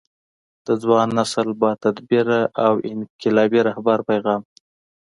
د ځوان نسل با تدبیره او انقلابي رهبر پیغام